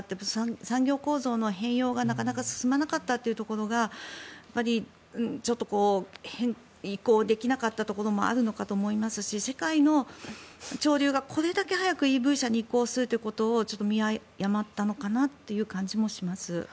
産業構造の変容がなかなか進まなかったところが移行できなかったところもあるのかと思いますし世界の潮流がこれだけ早くＥＶ車に移行するということを見誤ったのかなという気がします。